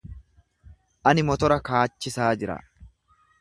Ani motora kaachisaa jira.